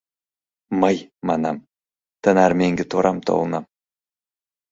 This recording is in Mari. Мый, — манам, — тынар меҥге торам толынам.